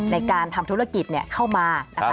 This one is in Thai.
ในการทำธุรกิจเข้ามานะคะ